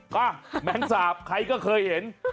ก็แมงสาบใครก็เคยเห็น